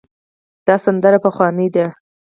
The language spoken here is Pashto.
دا سندره پخوانۍ ده.